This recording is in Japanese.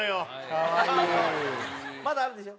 「可愛い」「まだあるでしょ？」